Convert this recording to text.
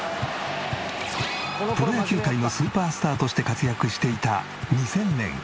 プロ野球界のスーパースターとして活躍していた２０００年。